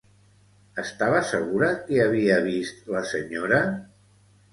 Estava segura que havia vist la senyora?